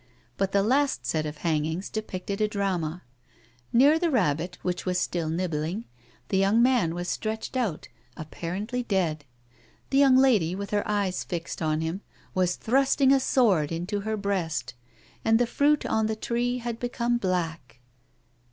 But the last set of hang ings depicted a drama. Near the rabbit, which was still nibbling, the young man was stretched out, apparently dead. The young lady, with her eyes fixed on him, was thrusting a sword into her breast, and the fruit on the tree had become black.